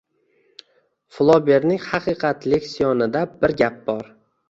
Floberning Haqiqat leksikonida bir gap bor